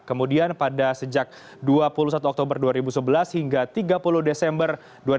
kemudian pada sejak dua puluh satu oktober dua ribu sebelas hingga tiga puluh desember dua ribu dua puluh